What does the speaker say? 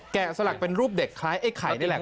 สลักเป็นรูปเด็กคล้ายไอ้ไข่นี่แหละ